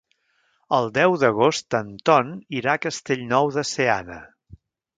El deu d'agost en Ton irà a Castellnou de Seana.